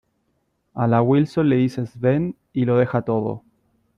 a la Wilson le dices ven y lo deja todo.